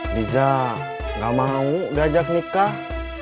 diza enggak mau diajak nikah